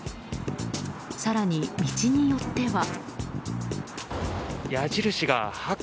更に、道によっては。